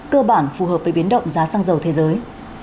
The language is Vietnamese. cơ bản phù hợp với biến động giá xăng dầu thế giới